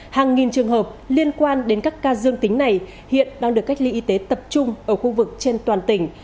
hàng nghìn trường hợp liên quan đến các ca dương tính này hiện đang được cách ly y tế tập trung ở khu vực trên toàn tỉnh